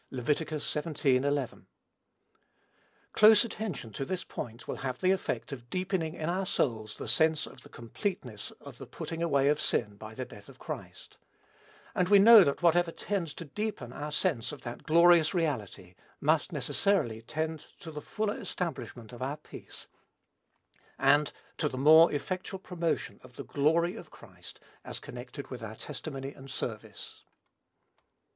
(Lev. xvii. 11.) Close attention to this point will have the effect of deepening in our souls the sense of the completeness of the putting away of sin by the death of Christ; and we know that whatever tends to deepen our sense of that glorious reality, must necessarily tend to the fuller establishment of our peace, and to the more effectual promotion of the glory of Christ as connected with our testimony and service.